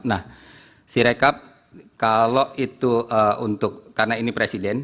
nah si rekap kalau itu untuk karena ini presiden